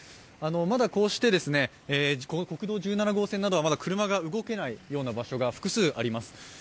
まだこうして、国道１７号線などは車が動けない場所が複数あります。